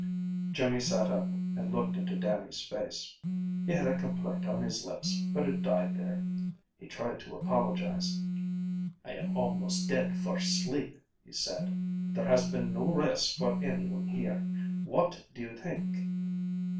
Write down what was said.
Jimmy sat up, and looked into Dannie's face. He had a complaint on his lips but it died there. He tried to apologize. "I am almost dead for sleep," he said. "There has been no rest for anyone here. What do you think?"